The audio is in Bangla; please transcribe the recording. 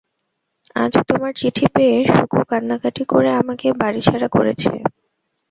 আজ তোমার চিঠি পেয়ে সুকু কান্নাকাটি করে আমাকে বাড়িছাড়া করেছে।